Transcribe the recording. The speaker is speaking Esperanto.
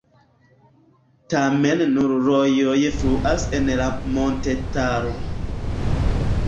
Tamen nur rojoj fluas en la montetaro.